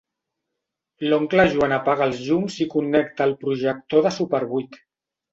L'oncle Joan apaga els llums i connecta el projector de súper vuit.